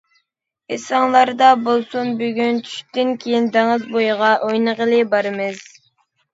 ئېسىڭلاردا بولسۇن، بۈگۈن چۈشتىن كېيىن دېڭىز بويىغا ئوينىغىلى بارىمىز.